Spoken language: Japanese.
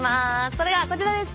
それがこちらです。